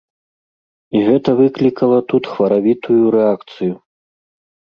І гэта выклікала тут хваравітую рэакцыю.